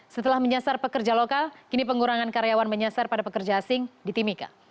setelah menyasar pekerja lokal kini pengurangan karyawan menyasar pada pekerja asing di timika